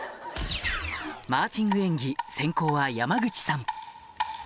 マーチング演技先攻は山口さん